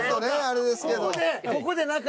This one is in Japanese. あれですけど。